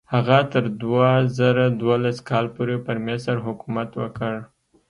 هغه تر دوه زره دولس کال پورې پر مصر حکومت وکړ.